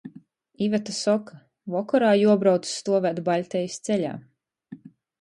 Iveta soka — vokorā juobrauc stuovēt Baļtejis ceļā.